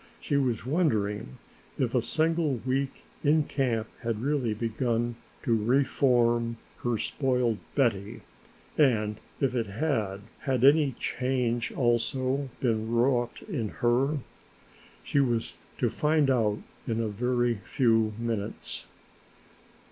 She was wondering if a single week in camp had really begun to reform her spoiled Betty and if it had, had any change also been wrought in her? She was to find out in a very few minutes.